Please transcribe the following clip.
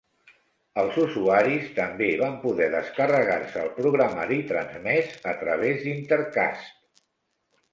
Els usuaris també van poder descarregar-se el programari transmès a través d'Intercast.